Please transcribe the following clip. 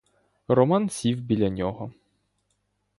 Роман сів біля нього.